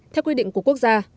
theo quy định của quốc gia